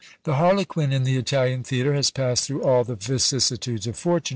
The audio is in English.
The HARLEQUIN in the Italian theatre has passed through all the vicissitudes of fortune.